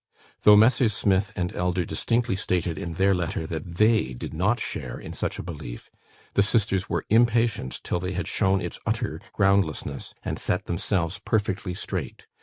Though Messrs. Smith and Elder distinctly stated in their letter that they did not share in such "belief," the sisters were impatient till they had shown its utter groundlessness, and set themselves perfectly straight.